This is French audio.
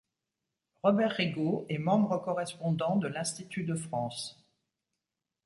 Robert Rigot est membre correspondant de l'Institut de France.